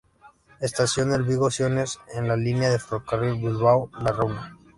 Estación El Vigo-Siones en la línea de ferrocarril Bilbao La Robla.